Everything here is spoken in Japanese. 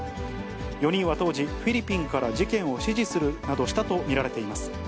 ４人は当時、フィリピンから事件を指示するなどしたと見られています。